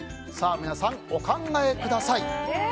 皆さん、お考えください。